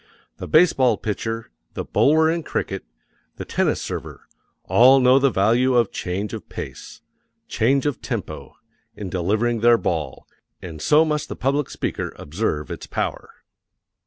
The baseball pitcher, the bowler in cricket, the tennis server, all know the value of change of pace change of tempo in delivering their ball, and so must the public speaker observe its power.